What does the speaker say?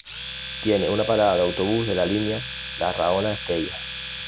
Tiene una parada de autobús de la línea Larraona-Estella.